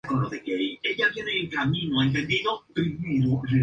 Esta obra vino apreciada y premiada por la Academia de las Ciencias francesa.